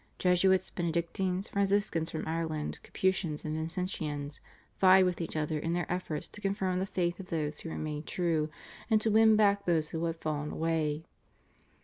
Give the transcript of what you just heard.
Jesuits, Benedictines, Franciscans from Ireland, Capuchins, and Vincentians vied with each other in their efforts to confirm the faith of those who remained true and to win back those who had fallen away.